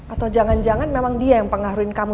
atau jangan jangan memang dia yang pengaruhin kamu